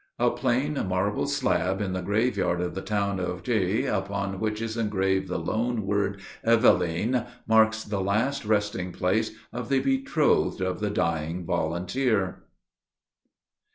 A plain, marble slab, in the graveyard of the town of G h, upon which is engraved the lone word, "Eveline," marks the last resting place of the betrothed of the Dying Volunteer.